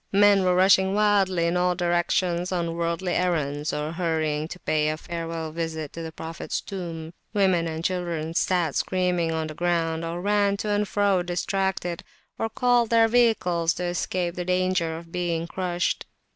Men were rushing wildly in all directions on worldly errands, or hurrying to pay a farewell visit to the Prophets Tomb. Women and children sat screaming on the ground, or ran to and fro distracted, or called their vehicles to escape the danger of being crushed.